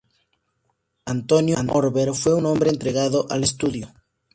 Antonio Orbe fue un hombre entregado al estudio.